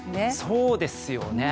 そうですよね。